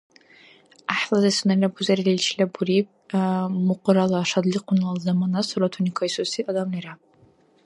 ГӀяхӀлази сунела бузериличила буриб мукърала, шадлихъунала замана суратуни кайсуси адамлира.